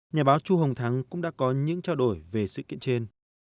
nhà báo chu hồng thắng cũng đã có những trao đổi về sự kiện trên